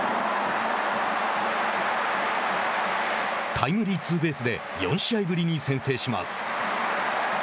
タイムリーツーベースで４試合ぶりに先制します。